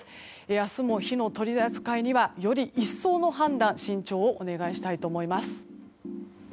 明日も、火の取り扱いにはより一層の判断慎重をお願いしたいと思います。